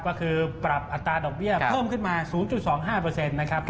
ก็คือปรับอัตราดอกเบี้ยเพิ่มขึ้นมา๐๒๕นะครับ